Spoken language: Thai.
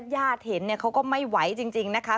ญาติเห็นเขาก็ไม่ไหวจริงนะคะ